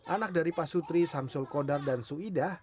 anak dari pasutri samsul kodar dan suidah